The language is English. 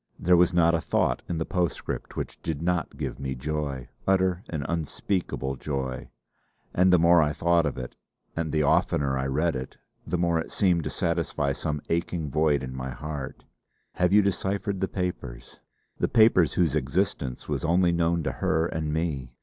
There was not a thought in the postscript which did not give me joy utter and unspeakable joy; and the more I thought of it and the oftener I read it the more it seemed to satisfy some aching void in my heart, "Have you deciphered the papers" the papers whose existence was only known to her and me!